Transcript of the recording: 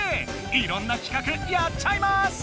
いろんな企画やっちゃいます！